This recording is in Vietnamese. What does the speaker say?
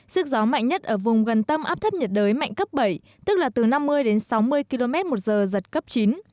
sức gió mạnh nhất ở vùng gần tâm áp thấp nhiệt đới mạnh cấp bảy tức là từ năm mươi đến sáu mươi km một giờ giật cấp chín